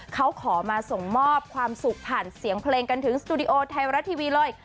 เขาขอมาส่งมอบความสุขผ่านเสียงเพลงกันถึงสตูดิโอไทยรัฐทีวีเลย